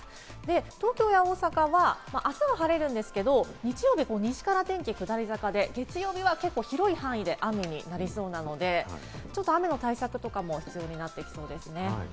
東京や大阪は、あすは晴れるんですけれども、日曜日、西から天気、下り坂で月曜日は結構広い範囲で雨になりそうなので、雨の対策とかも必要になってきそうですね。